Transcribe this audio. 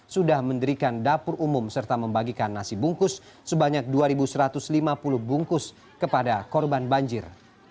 sudah mendirikan dapur umum serta membagikan nasi bungkus sebanyak dua satu ratus lima puluh bungkus kepada korban banjir